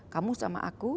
kamu sama aku